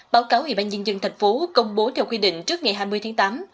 báo cáo ủy ban nhân dân thành phố công bố theo quy định trước ngày hai mươi tháng tám